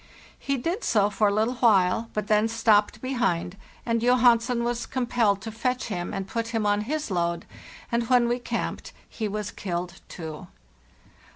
He did so for a little while, but then stopped behind, and Johansen was compelled to fetch him and put him on his load, and when we camped he was killed too.